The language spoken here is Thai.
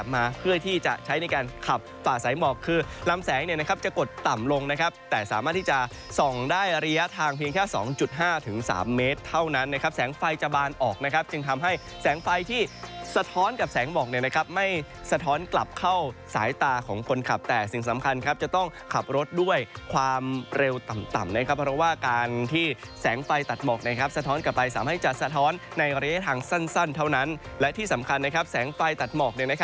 ๒๕๓เมตรเท่านั้นนะครับแสงไฟจะบานออกนะครับจึงทำให้แสงไฟที่สะท้อนกับแสงหมอกเนี่ยนะครับไม่สะท้อนกลับเข้าสายตาของคนขับแต่สิ่งสำคัญครับจะต้องขับรถด้วยความเร็วต่ำนะครับเพราะว่าการที่แสงไฟตัดหมอกนะครับสะท้อนกลับไปสามารถให้จะสะท้อนในระยะทางสั้นเท่านั้นและที่สำคัญนะครับแสงไฟตัดหม